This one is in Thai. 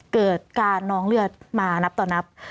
เกิดการน้องเลือดมานับต่อนับ